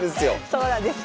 そうなんです。